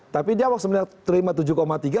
tapi dia sebenarnya terima tujuh tiga